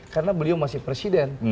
karena beliau masih presiden